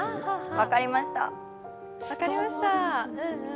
分かりました。